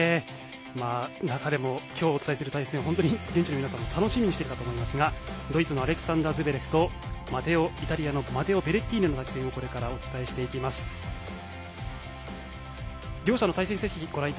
中でも今日お伝えする対戦は現地の皆さんも楽しみにしているかと思いますがドイツのアレクサンダー・ズベレフとイタリアのマテオ・ベレッティーニの対戦をこれからお伝えします。両者の対戦成績です。